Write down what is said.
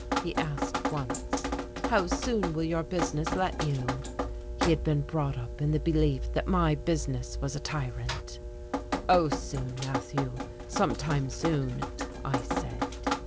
he asked once. "How soon will your business let you?" He had been brought up in the belief that my business was a tyrant. "Oh, soon, Matthew, sometime soon," I said.